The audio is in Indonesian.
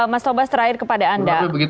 mas tobas terakhir kepada anda